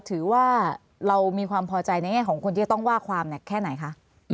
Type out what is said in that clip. ถือว่าเรามีความพอใจในแง่ของคนที่จะต้องว่าความแค่ไหนคะ